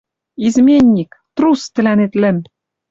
Изменник, трус тӹлӓнет лӹм.